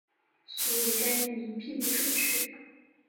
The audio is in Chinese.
所以该译名并不准确。